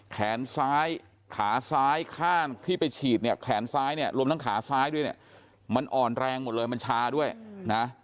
แขนซ้ายขาซ้ายข้างที่ไปฉีดเนี่ยแขนซ้ายเนี่ยรวมทั้งขาซ้ายด้วยเนี่ยมันอ่อนแรงหมดเลยมันชาด้วยนะ